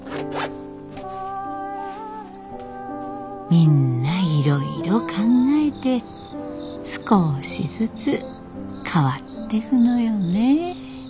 みんないろいろ考えて少しずつ変わってくのよね。